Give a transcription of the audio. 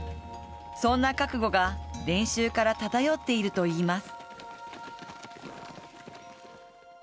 そんな覚悟が練習から漂っているといいます。